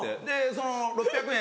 その６００円